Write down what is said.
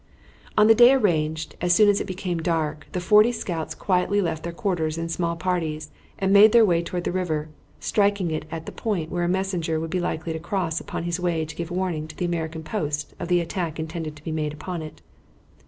On the day arranged, as soon as it became dark, the forty scouts quietly left their quarters in small parties and made their way toward the river, striking it at the point where a messenger would be likely to cross upon his way to give warning to the American post of the attack intended to be made upon it.